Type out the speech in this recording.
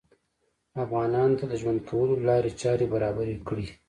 افغانانو ته د ژوند کولو لارې چارې برابرې کړې